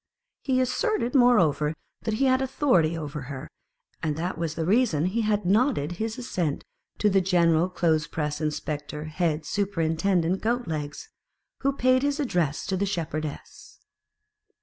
He asserted, moreover, that he had authority over her, and that was the reason he had nodded his assent to the General clothes press inspector head superintendent Goat legs, who paid his addresses to the Shepherdess.